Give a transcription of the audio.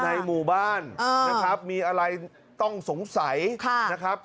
ในหมู่บ้านนะครับมีอะไรต้องสงสัยนะครับ